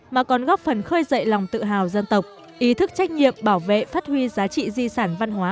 mà còn góp phần khơi dậy lòng tự hào dân tộc ý thức trách nhiệm bảo vệ phát huy giá trị di sản văn hóa